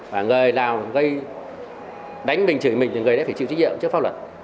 và người nào gây đánh mình chửi mình thì người đấy phải chịu trách nhiệm trước phong luật